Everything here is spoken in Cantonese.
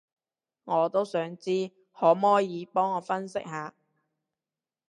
我都想知，可摸耳幫我分析下